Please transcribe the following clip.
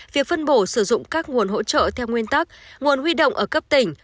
việc phân bổ sử dụng các nguồn hỗ trợ theo nguyên tắc nguồn huy động ở cấp tỉnh